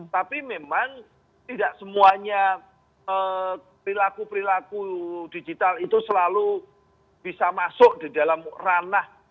tapi memang tidak semuanya perilaku perilaku digital itu selalu bisa masuk di dalam ranah